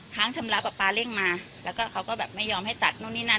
ค้างชำระกับปลาเร่งมาแล้วก็เขาก็แบบไม่ยอมให้ตัดนู่นนี่นั่น